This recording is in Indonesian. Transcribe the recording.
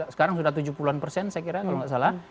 sekarang sudah tujuh puluh an persen saya kira kalau nggak salah